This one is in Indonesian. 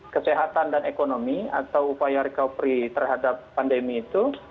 kesehatan dan ekonomi atau upaya recovery terhadap pandemi itu